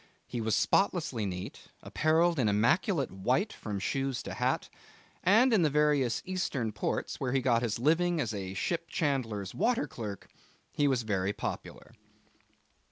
He was spotlessly neat, apparelled in immaculate white from shoes to hat, and in the various Eastern ports where he got his living as ship chandler's water clerk he was very popular.